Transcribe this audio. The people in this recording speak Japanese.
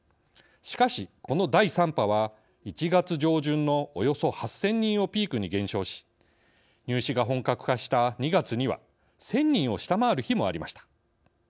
しかしこの第３波は１月上旬のおよそ８，０００人をピークに減少し入試が本格化した２月には１，０００人を下回る日もありました。